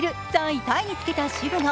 ３位タイにつけた渋野。